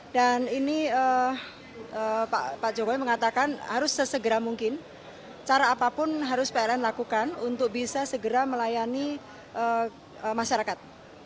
dan ini pak jokowi mengatakan harus sesegera mungkin cara apapun harus pln lakukan untuk bisa segera melayani masyarakat